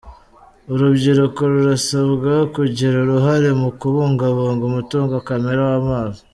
Urubyiruko rurasabwa kugira uruhare mu kubungabunga umutungo kamere w’amazi